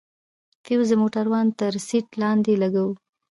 فيوز د موټروان تر سيټ لاندې لگوو.